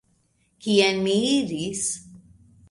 Kien mi iris?